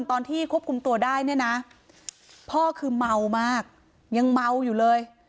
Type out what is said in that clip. ตอนที่ควบคุมตัวได้เนี่ยนะพ่อคือเมามากยังเมาอยู่เลย